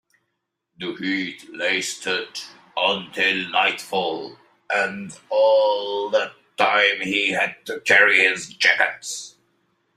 The heat lasted until nightfall, and all that time he had to carry his jacket.